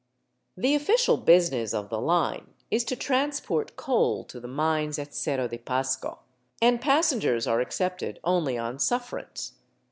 The official business of the line is to transport coal to the mines at Cerro de Pasco, and passengers are accepted only on suffrance.